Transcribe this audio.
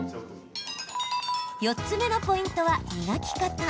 ４つ目のポイントは磨き方。